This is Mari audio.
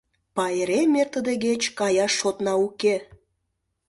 Пайрем эртыдегеч каяш шотна уке.